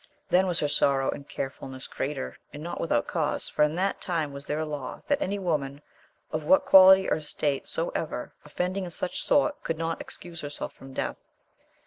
Then was her sorrow and carefulness greater, and not without cause, for in that time was there a law, that any woman, of what quahty or estate soever, offending in such sort, could not excuse herself from death.